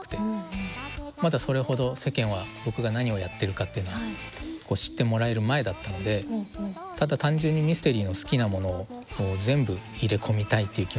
まだそれほど世間は僕が何をやってるかっていうのをこう知ってもらえる前だったのでただ単純にミステリーの好きなものを全部入れ込みたいっていう気持ちで作ってて。